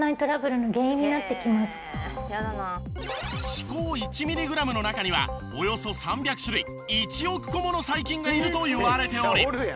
歯垢１ミリグラムの中にはおよそ３００種類１億個もの細菌がいるといわれており。